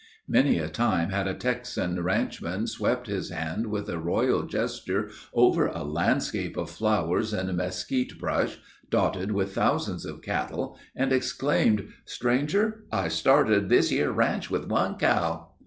Many a time had a Texan ranchman swept his hand with a royal gesture over a landscape of flowers and Mesquite brush, dotted with thousands of cattle, and exclaimed, 'Stranger, I started this yer ranch with one cow.'